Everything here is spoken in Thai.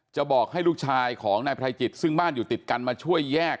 จะบอกให้ลูกชายของนายไพรจิตซึ่งบ้านอยู่ติดกันมาช่วยแยก